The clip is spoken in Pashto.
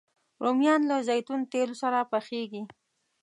رومیان له زیتون تېلو سره پخېږي